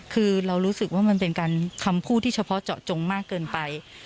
คือเรารู้สึกว่ามันเป็นการคำพูดที่เฉพาะเจาะจงมากเกินไป